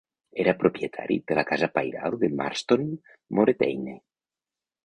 Era propietari de la casa pairal de Marston Moreteyne.